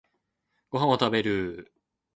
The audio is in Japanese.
ご飯を食べる